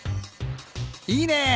いいね！